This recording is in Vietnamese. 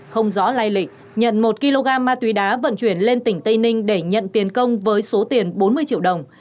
không rõ lai lịch nhận một kg ma túy đá vận chuyển lên tỉnh tây ninh để nhận tiền công với số tiền bốn mươi triệu đồng